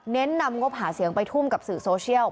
นำงบหาเสียงไปทุ่มกับสื่อโซเชียล